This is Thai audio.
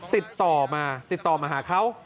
ติดต่อมาติดต่อมาหาเขา